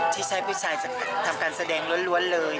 ที่ใช้ผู้ชายทำการแสดงล้วนเลย